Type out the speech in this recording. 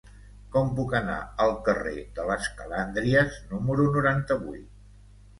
Com puc anar al carrer de les Calàndries número noranta-vuit?